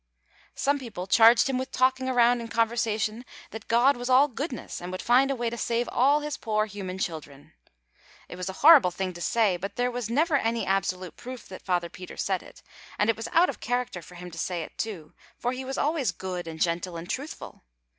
Some people charged him with talking around in conversation that God was all goodness and would find a way to save all his poor human children. It was a horrible thing to say, but there was never any absolute proof that Father Peter said it; and it was out of character for him to say it, too, for he was always good and gentle and truthful.